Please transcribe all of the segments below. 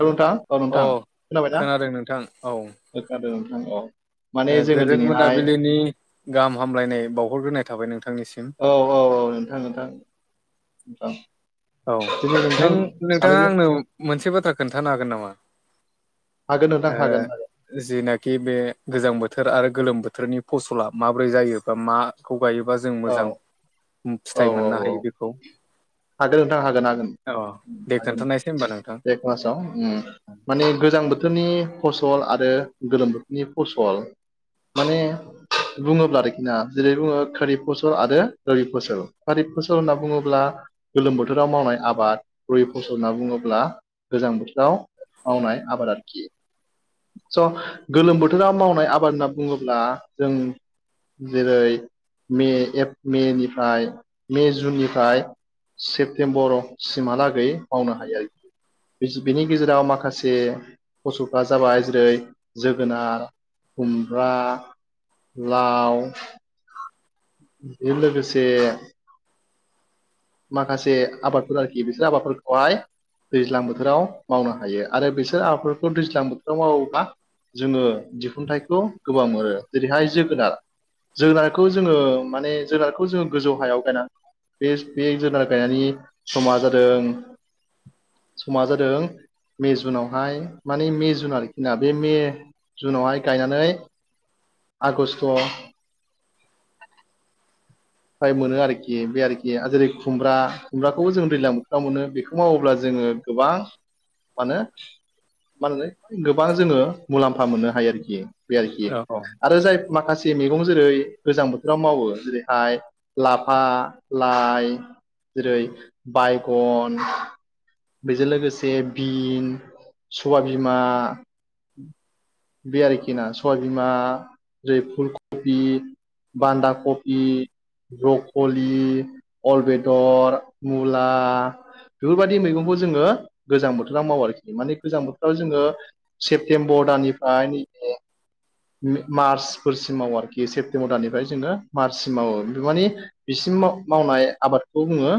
औ अ नोंथां औ नोंथां खोनाबायना? खोनादों नोंथां खोनादों नोंथां अ। ओ गोदोन मोनाबिलिनि गाहाम हामलायनाय बावहरग्रोनाय थाबाय नोंथांनिसिम। औ औ औ नोंथां नोंथां ओं। औ नों नोंथाङा आंनो मोनसे बाथ्रा खोनन्थानो हागोन नामा? हागोन नोंथां हागोन हागोन। जेनाखि बे गोजां बोथोर आरो गोलोम बोथोरनि फसला माबोरै जायो एबा मा खौ गायोबा जों औ मोजां औ फिथाइ औ मोननो औ हायो बेखौ? हागोन नोंथां हागोन हागोन अ दे हागोन खोन्थानायसै होनबा नोंथां बे क्लाासाव उम। माने गोजां बोथोरनि फसल आरो गोलोम बोथोरनि फसल। माने बुङोब्ला आरोखि ना जेरै बुङो खोरिब फसल आरो दोहिब फसल फारिब फसल होनना बुङोब्ला? गोलोम बोथोराव मावनाय आबाद दोहि फसल होनना बुङोब्ला गोजां बोथोराव मावनाय आबाद आरोखि। स' गोलोम बोथोराव मावनाय आबाद होनना बुङोब्ला जों जिरै मे एफ मेनिफ्राय मे जुननिफ्राय सेप्तेम्बरसिमहालागै मावनो हायो आरो बिस बेनि गेजेराव माखासे फसलफ्रा जाबाय जेरै जोगोनार, खुमब्रा, लाव, बिजों लोगोसे माखासे आबादफोर आरोखि बिसोर आबादफोरखौहाय दैज्लां बोथोराव मावनो हायो। आरो बिसोर आबादफोरखौ दैज्लां बोथोराव मावोब्ला जोङो दिहुनथाइखौ गोबां मोनो जेरैहाय जोगोनार जोगोनारखौ जोङो माने जोगुनारखौ जोङो गोजौ हायाव गायना बे बे जोगोनार गायनायनि समा जादों समा जादों मे जुनावहाय माने मे जुन आरोखि ना बे मे जुनावहाय गायनानै आगषट' फमाय मोनो आरोखि बे आरोखि जेरै खुमब्रा खुमब्राखौबो जों दैज्लां बोथोराव मोनो बेखौ मावोब्ला जोङो गोबां मानो मानो गोबां जोङो मुलाम्फा मोननो हायो आरोखि बे आरोखि औ औ आरो जाय माखासे मैगं जेरै गोजां बोथोराव मावो जेरै [unintelligible] लाफा लाइ जेरै बायगन बेजों लोगोसे बिन सबाइ बिमा बे आरोखि ना सबाइबिमा जेरै फुल कबि बान्दा कफि ब्रकलि, अल बेदर, मुला, बेफोरबायदि मैगंखौ जोङो गोजां बोथोराव मावो आरोखि माने गोजां बोथोराव जोङो सेप्तेम्बर दाननिफ्राय नैबे मार्चफोरसिम मावो आरोखि सेप्तेम्बर दाननिफ्राय जोङो मार्चसिम मावो माने बिसिम मावनाय आबादखौ बुङो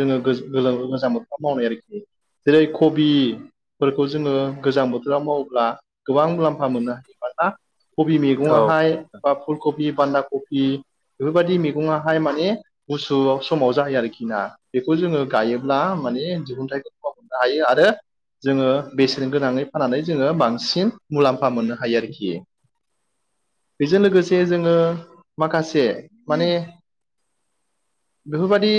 जोङो गोलोम गोजां बोथा मावनाय आरोखि। जेरै कबिफोरखौ जोङो गोजां बोथोराव मावोब्ला गोबां मुलाम्फा मोननो हायो बा ना कबि औ मैगङावहाय बा ओ फुलकबि बान्दा कबि बेफोरबायदि मैगङाहाय माने गुसु समाव जायो आरोखि ना बेखौ जोङो गायोब्ला माने दिहुनथायफ्रा खम हायो आरो जोङो बेसेन गोनाङै फाननानै जोङो बांसिन मुलाम्फा मोननो हायो आरोखि। बेजों लोगोसे जोङो माखासे माने [inaudible] बेफोरबायदि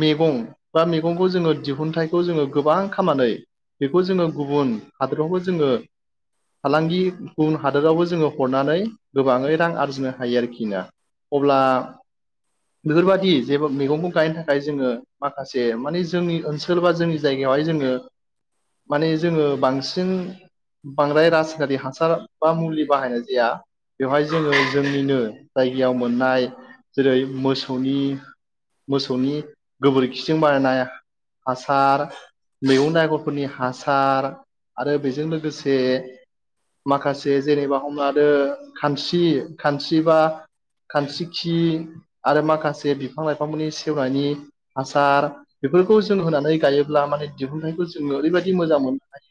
मैगं बा मैगंखौ जोङो दिहुनथाइखौ जोङो गोबां खामनानै बेखौ जोङो गुबुन हादोरावबो जोङो फालांगि गुबुन हादोरावबो जोङो हरनानै गोबाङै रां आरजिनो हायो आरोखि ना। अब्ला बेफोरबादि जेबो मैगंखौ गायनो थाखाय जोङो माखासे माने जोंनि ओनसोल बा जोंनि जायगायावहाय जोङो माने जोङो बांसिन बांद्राय रास नारि हासार बा मुलि बाहायनाय जाया। बेवहाय जोङो जोंनिनो जायगायाव मोननाय जेरै मोसौनि मोसौनि गोबोरखिजों बानायनाय हासार मैगं आगरफोरनि हासार आरो बेजों लोगोसे माखासे जेनेबा हमनालादो आरो खानस्रि खानस्रि बा खानस्रि खि आरो माखासे बिफां लाइफांफोरनि सेवनायनि हासार बेफोरखौ जों होनानै गायोब्ला माने दिहुनथाइखौ जोङो ओरैबायदि मोजां मोननो हायो।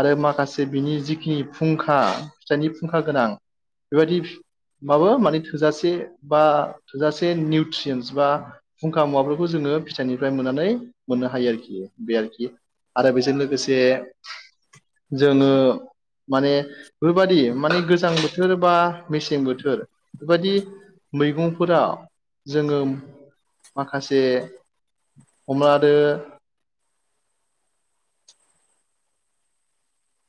आरो माखासे बिनि जि खिनि फुंखा फिथाइनि फुंखा गोनां बेबायदि बाबो माने थोजासे बा थोजासे निउट्रियन्स बा फुंखा मुवाफोरखौ जोङो फिथाइनिफ्राय मोननानै मोननो हायो आरोखि बे आरोखि। आरो बेजों लोगोसे जोङो माने बेफोरबायादि माने गोजां बोथोर बा मेसें बोथोर बेफोरबायादि मैगंफोरा जोङो माखासे हमनालादो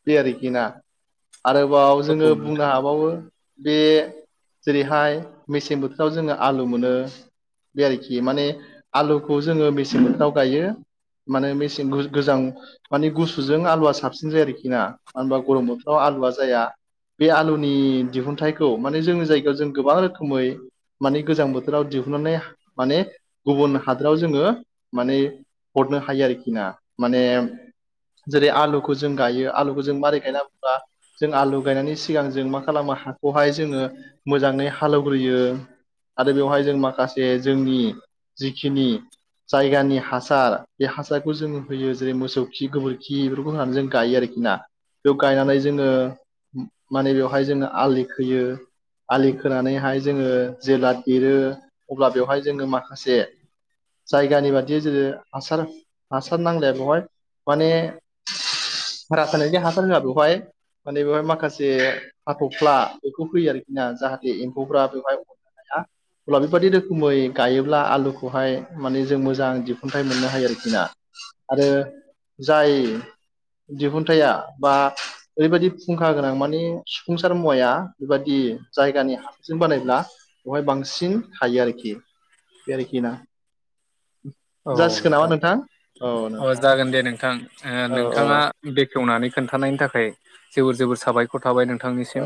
बे आरोखि ना आरोबाव औ जोङो नोंथां बुंनो हाबावो बे जेरैहाय मेसें बोथोराव जोङो आलु मोनो बे आरोखि माने आलुखौ जोङो मेसें बोथोराव गायो माने मेसें गोजां माने गुसुजों आलुवा साबसिन जायो आरोखि ना मानो होनबा गरम बोथोराव आलुआ जाया बे आलुनि दिहुनथाइखौ माने जोंनि जायगायाव जों गोबां रोखोमै माने गोजां बोथोराव दिहुननानै माने गुबुन हादोराव जोङो माने हरनो हायो आरोखि ना माने जेरै आलुखौ जों गायो। आलुखौ जों मारै गायनांगौ होब्ला। जों आलु गायनायनि सिगां जों मा खालामो हाखौहाय जोंङो मोजांङै हालएवग्रोयो। आरो बेवहाय जों माखासे जोंनि जिखिनि। जायगानि हासार बे हासारखौ जों होयो जेरै मोसौ खि गोबोरखि बेफोरखौ होनानै जों गायो आरोखि। ना बेयाव गायनानै जोंङो माने बेवहाय जोङो आलि खोयो। आलि खोनानैहाय जोंङो जेला दरो अब्ला बेवहाय जोंङो माखासे। जायगानि बादि जेरै हासार हासार नांलाया बेवहाय माने रासायनायारि हासार हाया बेवहाय। माने बेवहाय माखासे हाथ'फ्ला बेखौ होयो आरोखि ना जाहाथे एम्फौफ्रा बेवहाय नोंथां अब्ला बेबादि रोखोमै गायोब्ला आलुखौहाय माने जों मोजां दिहुनथाइ मोननो हायो आरोखि ना। आरो जाय दिहुनथाइया बा ओरैबायाददि फुंखा गोनां माने सुफुंसार मुवाया बेबायदि जायगानि हा सारजों बानायब्ला बेवहाय बांसिन थायो आरोखि बे आरोखि ना। [inaudible] औ नोंथां औ जागोन दे नोंथां ओ औ नोंथाङा। बेखेवनानै खोन्थानायनि थाखाय जोबोर जोबोर साबायखर थाबाय नोंथांनिसिम। औ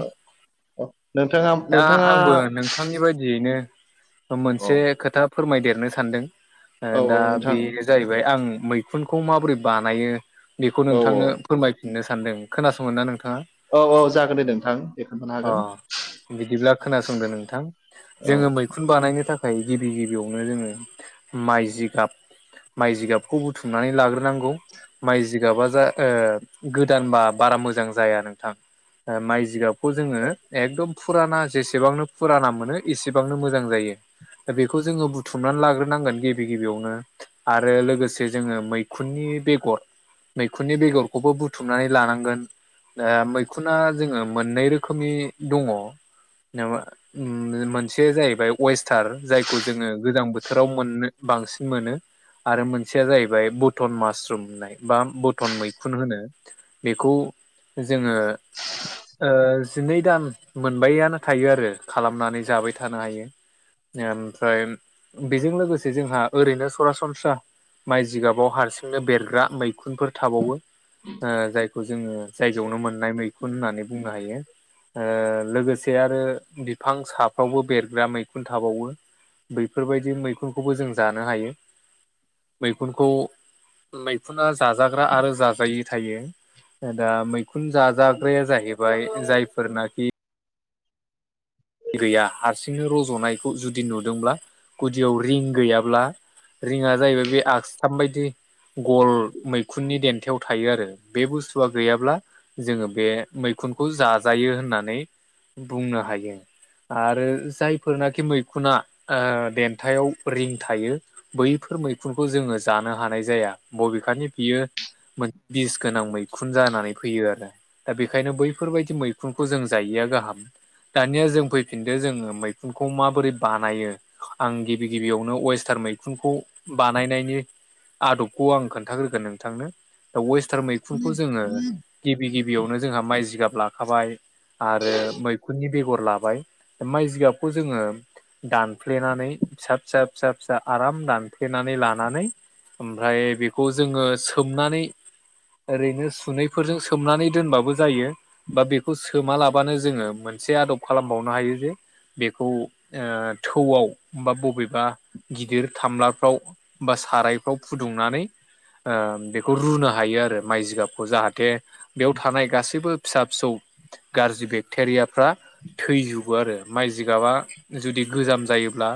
औ नोंथाङा दा नोंथाङा आंबो नोंथांनि बायदियैनो औ मोनसे खोथा फोरमायदेरनो सानदों। औ दा औ बे नोंथां जाहैबाय आं मैखुनखौ माबोरै बानायो बेखौ औ नोंथांनो फोरमायफिननो सानदों खोनासंगोनना नोंथाङा? औ औ जागोन दे नोंथां बे खोन्थानो अ हागोन। बिदिब्ला खोनासंदो नोंथां औ जोंङो मै बिखुन बानायनो थाखाय गिबि गिबियावनो जोंङो माइ जिगाब माइ जिगाबखौ बुथुमनानै लाग्रोनांगौ। माइ जिगाबा जा गोदानबा बारा मोजां जाया नोंथां। ओ माइ जिगाबखौ जोंङो एकदम फुराना जेसेबांनो फुराना मोनो एसेबांनो मोजां जायो। दा बेखौ जोंङो बुथुमनानै लाग्रोनांगोन गि गिबि गिबियावनो आरो लोगोसे जोंङो मैखुननि बेगर मैखुननि बेगरखौबो बुथुमनानै लानांगोन। द मैखुना जोंङो मोननै रोखोमनि दङ। माबा ओम मोनसे जाहैबाय वेस्टार जायखौ जोंङो गोजां बोथोराव मोननो बांसिन मोनो। आरो मोनसेया जाहैबाय बथन मासरुम होननाय बा बथन मैखुन होनो। बेखौ जोंङो ओ जिनै दान मोनबाययानो थायो आरो खालामनानै जाबाय थानो हायो। ओमफ्राय बेजों लोगोसे जोंहा ओरैनो सरासनस्रा माइ जिगाबाव हारसिंनो बेरग्रा मै मैखुनफोर थाबावो जायखौ ओ जोंङो जायगायावनो मोननाय मैखुन होननानै बुंनो हायो। ओ लोगोसे आरो बिफां सफ्रावबो बेरग्रा मैखुन थाबावो। बैफोरबायदि मैखुनखौबो जों जानो हायो मैखुनखौ मैखुना जाजाग्रा आरो जाजायै थायो दा मैखुन जा जाग्राया जाहैबाय जायफोरनाखि गैया हारसिंनो रज'नायखौ जुदि नुदोंब्ला गुदियाव रिं गैयाब्ला रिङा जाहैबाय बे आगसथाम बायदि गल मैखुननि देन्थायाव थायो आरो बे बुस्थुआ गैयाब्ला जोंङो बे मैखुनखौ जाजायो होननानै बुंनो हायो। आरो जायफोरनाखि मैखुना देन्थायाव रिं थायो बैफोर मैखुनखौ जोंङो जानो हानाय जाया। बबेखानि बियो मोनसे बिस गोनां मैखुन जानानै फैयो आरो दा बेखायनो बैफोरबायदि मैखुनखौ जों जायैया गाहाम दानिया जों फैफिनदो जोङो मैखुनखौ माबोरै बानायो आं गिबि गिबियावनो वेस्टार्न मैखुनखौ बानायनायनि आदबखौ आं खोन्थाग्रोगोन नोंथांनो दा वेस्टार्न मै खुनखौ जोङो गिबि गिबियावनो जोंहा माइ जिगाब लाखाबाय आरो मैखुननि बेगर लाबाय माइ जिगाबखौ जोङो दानफ्लेनानै फिसा-फिसा-फिसा-फिसा आराम दानफ्लेनानै लानानै ओमफ्राय बेखौ जोंङो सोमनानै ओरैनो सुनैफोरजों सोमनानै दोनबाबो जायो। बा बेखौ सोमा लाबानो जोंङो मोनसे आदब खालामबावनो हायो जे बेखौ थौआव बा बबेबा गिदिर थामलाफ्राव बा सारायफ्राव फुदुंनानै ओ बेखौ रुनो हायो आरो माइ जिगाबखौ जाहाथे बेयाव थानाय गासैबो फिसा फिसौ गाज्रि बेक्टेरियाफ्रा थैजोबो आरो माइ जिगाबा जुदि गोजाम जायोब्ला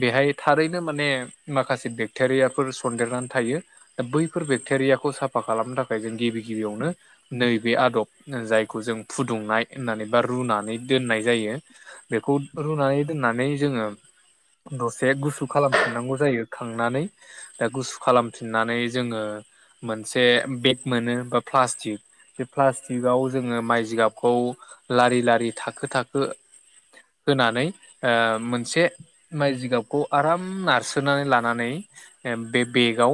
बेहाय थारैनो माने माखासे बेक्टेरियाफोर सन्देरनानै थायो बैफोर बेक्टेरियाखौ साफा खालामनो थाखाय जों गिबि गिबियावनो नैबे आदब जायखौ जों फुदुंनाय होननानै बा रुनानै दोननाय जायो बेखौ रुनानै दोननानै जोङो दसे गुसु खालामफिननांगौ जायो खांनानै दा गुसु खालामफिननानै जोङो मोनसे बेग मोनो बा प्लास्टिक बे प्लास्टिकआव जोङो माइ जिगाबखौ लारि-लारि थाखो- थाखो होनानै ओ मोनसे माइ जिगाबखौ आराम नारसोनानै लानानै बे बेगाव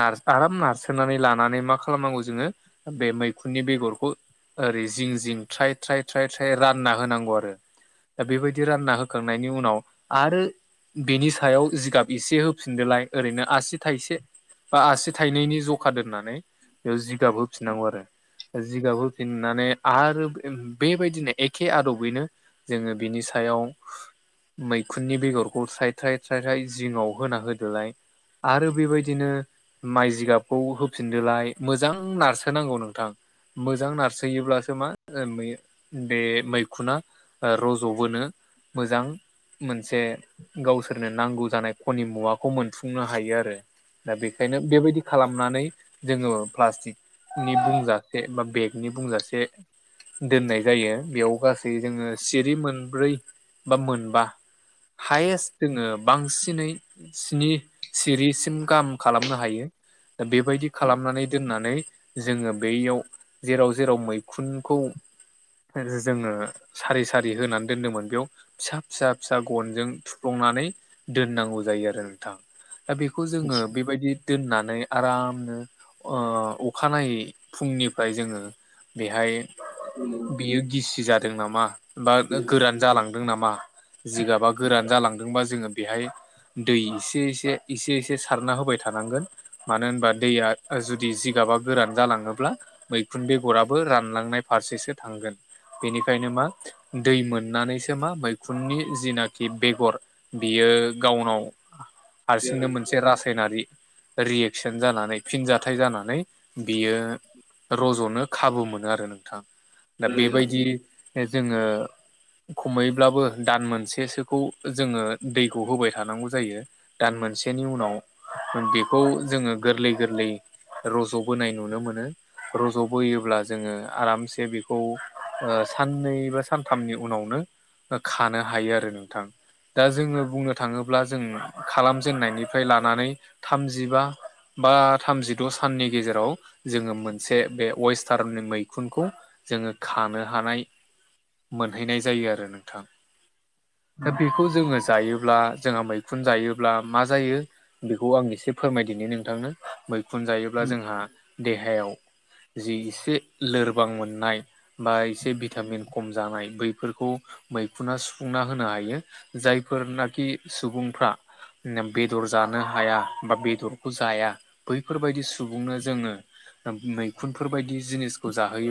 नार आराम नारसोनानै लानानै मा खालामनांगौ जोङो बे मैखुननि बेगरखौ ओरै जिं-जिं थ्राय-थ्राय-थ्राय-थ्राय रान ना होनांगौ आरो दा बेबायदि रानना होखांनायनि उनाव आरो बेनि सायाव जिगाब एसे होफिनदोलाय ओरैनो आसि थाइसे बा आसि थाइनैनि जखा दोननानै बेयाव जिगाब होफिननांगौ आरो। जिगाब होफिननानै आरो बेबायदिनो एखे आदबैनो जोङो बिनि सायाव मैखुननि बेगरखौ स्राय थ्राय -थ्राय-थ्रायहाय जिङाव होना होदोलाय आरो बेबायदिनो माइ जिगाबखौ होफिनदोलाय मोजां नारसोनांगौ नोंथां। मोजां नारसोयोब्लासो मा बे मैखुना ओ रज'बोनो मोजां मोनसे गावसोरनो नांगौ जानाय खनि मुवाखौ मोनफुंनो हायो आरो। दा बेखायनो बेबायदि खालामनानै जोङो प्लास्टिक नि बुंजासे बा बेगनि बुंजासे दोननाय जायो बेयाव गासै जोङो सिरि मोनब्रै बा मोनबा हायेस्ट जोङो बांसिनै स्नि सिरिसिम गाहाम खालामनो हायो। बेबायदि खालामनानै दोननानै जोङो बैयाव जेराव जेराव मैखुनखौ सानसे जोङो सारि सारि होनानै दोनदोंमोन बेयाव फिसा-फिसा-फिसा गनजों थुफ्लंनानै दोननांगौ जायो आरो नोंथां दा बे खौ जोङो बेबायदि दोननानै आरामनो ओ अखानायै फुंनिफ्राय जोङो बेहाय बियो गिसि जादों नामा बा उम, गोरान जालांदों नामा? जिगाबा गोरान जालांदोंबा जोङो बेहाय दै एस -एसे-एसे-एसे सारना होबाय थानांगोन। मानो होनबा दैया जुदि जिगाबा गोरान जालाङोब्ला मैखुन बेगराबो रानलांनाय फारसेसो थांगोन बेनिखायनो मा दै मोननानैसो मा मैखुननि जिनाखि बेगर बियो गावनाव हारसिंनो मोनसे रासायनारि रियेकसन जानानै फिनजाथाइ जानानै बियो रज'नो खाबु मोनो आरो नोंथां दा बेबायदि जोङो खमैब्लाबो दान मोनसेसोखौ जोङो दैखौ होबाय थानांगौ जायो। दान मोनसेनि उनाव बेखौ जोङो गोरलै गोरलै रज'बोनाय नुनो मोनो। रज'बोयोब्ला जोङो आरामसे बे खौ ओ साननै बा सानथामनि उनावनो खानो हायो आरो नोंथां। दा जोङो बुंनो थाङोब्ला जों खालामजेननायनिफ्राय लानानै थामजिबा बा थामजिद' साननि गेजेराव जोङो मोनसे बे वेस्टार्न मैखुनखौ जोङो खानो हानाय मोनहैनाय जायो आरो नोंथां। दा बेखौ जोङो जायोब्ला जोंहा मैखुन जायोब्ला मा जायो बेखौ आं एसे फोरमायदिनि नोंथांनो मै खुनजायोब्ला उम। जोंहा देहायाव जि एसे लोरबां मोननाय बा एसे भिटामिन खम जानाय बैफोरखौ मैखुना सुफुंना होनो हायो। जायफोरनाखि सुबुंफ्रा बेदर जानो हाया बा बेदरखौ जाया बैफोरबायदि सुबुंनो जोङो मैखुनफोरबायदि जिनिसखौ जाहोयो।